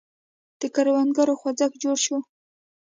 د کروندګرو خوځښت جوړ شو.